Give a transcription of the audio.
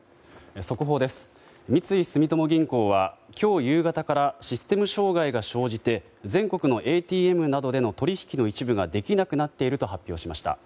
三井住友銀行は今日夕方からシステム障害が生じて全国のＡＴＭなどでの取引の一部ができなくなっていると発表しました。